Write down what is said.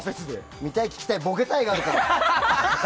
見たい、聞きたいボケたいがあるから。